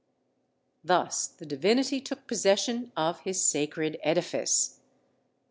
Thus the Divinity took possession of his sacred edifice.